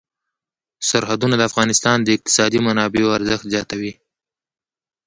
سرحدونه د افغانستان د اقتصادي منابعو ارزښت زیاتوي.